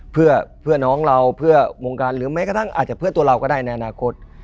เพื่อน้องเราเพื่อวงการหรือแม้กระทั่งอาจจะเพื่อตัวเราก็ได้ในอนาคต